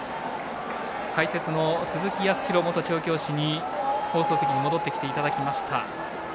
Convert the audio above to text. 解説の鈴木康弘元調教師に放送席に戻ってきていただきました。